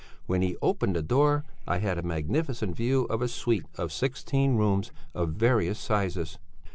When he opened the door I had a magnificent view of a suite of sixteen rooms of various sizes.